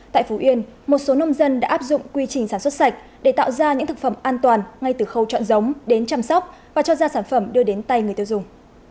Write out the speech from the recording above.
tại phú yên một số nông dân đã áp dụng quy trình sản xuất sạch để tạo ra những thực phẩm an toàn ngay từ khâu chọn giống đến chăm sóc và cho ra sản phẩm đưa đến tay người tiêu dùng